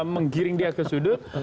menggiring dia ke sudut